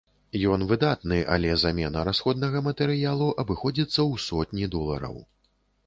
Ён выдатны, але замена расходнага матэрыялу абыходзіцца ў сотні долараў.